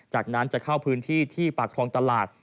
จากนั้นจะเข้าพื้นที่ที่ปากคลองตลาด